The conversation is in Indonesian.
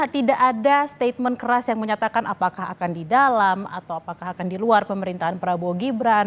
tidak ada statement keras yang menyatakan apakah akan di dalam atau apakah akan di luar pemerintahan prabowo gibran